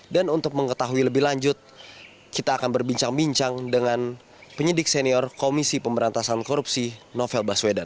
dan untuk mengetahui lebih lanjut kita akan berbincang bincang dengan penyidik senior komisi pemberantasan korupsi novel baswedan